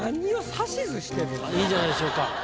いいじゃないでしょうか。